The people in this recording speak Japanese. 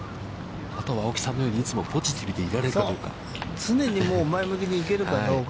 あとは青木さんのようにいつもポジティブでいられるかどうか。